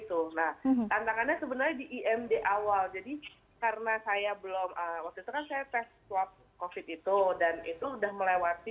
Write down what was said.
tantangannya sebenarnya di imd awal jadi karena saya belum waktu itu kan saya tes swab covid itu dan itu udah melewati